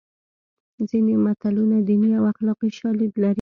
ځینې متلونه دیني او اخلاقي شالید لري